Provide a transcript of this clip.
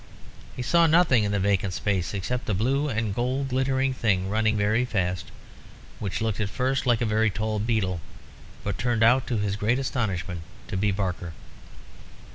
He saw nothing in the vacant space except a blue and gold glittering thing, running very fast, which looked at first like a very tall beetle, but turned out, to his great astonishment, to be Barker.